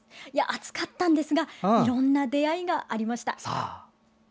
暑かったんですがいろんな出会いがありました。